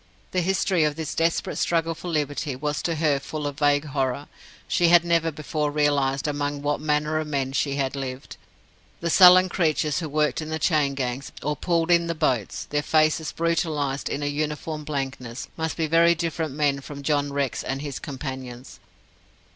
The history of this desperate struggle for liberty was to her full of vague horror. She had never before realized among what manner of men she had lived. The sullen creatures who worked in the chain gangs, or pulled in the boats their faces brutalized into a uniform blankness must be very different men from John Rex and his companions.